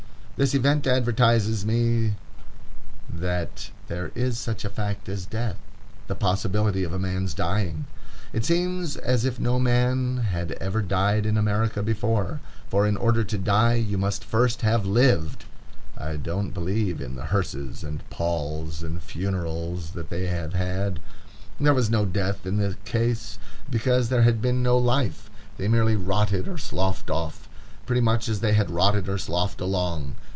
This event advertises me that there is such a fact as death—the possibility of a man's dying. It seems as if no man had ever died in America before; for in order to die you must first have lived. I don't believe in the hearses, and palls, and funerals that they have had. There was no death in the case, because there had been no life; they merely rotted or sloughed off, pretty much as they had rotted or sloughed along.